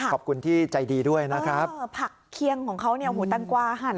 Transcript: ขอบคุณที่ใจดีด้วยนะครับเออผักเคียงของเขาเนี่ยหูแตงกวาหั่น